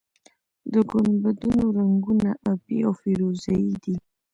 د ګنبدونو رنګونه ابي او فیروزه یي دي.